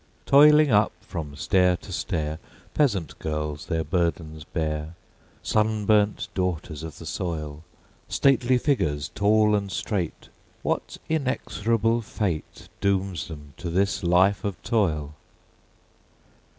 Toiling up from stair to stair Peasant girls their burdens bear; Sunburnt daughters of the soil, Stately figures tall and straight, What inexorable fate Dooms them to this life of toil?